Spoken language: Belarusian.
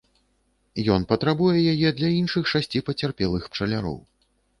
Ён патрабуе яе для іншых шасці пацярпелых пчаляроў.